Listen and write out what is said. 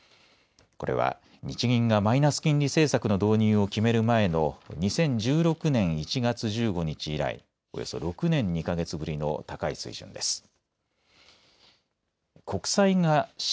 これは日銀がマイナス金利政策の導入を決める前の２０１６年１月以来およそ６年２か月ぶりの高い水準です。